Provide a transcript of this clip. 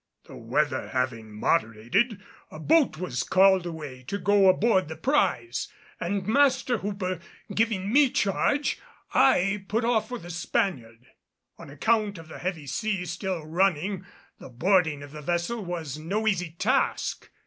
The weather having moderated, a boat was called away to go aboard the prize, and Master Hooper giving me charge, I put off for the Spaniard. On account of the heavy sea still running the boarding of the vessel was no easy task.